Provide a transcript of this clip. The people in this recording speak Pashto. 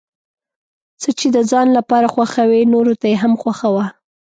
څه چې د ځان لپاره خوښوې نورو ته یې هم خوښوه.